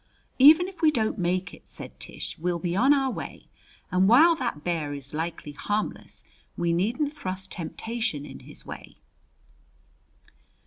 "Even if we don't make it," said Tish, "we'll be on our way, and while that bear is likely harmless we needn't thrust temptation in his way."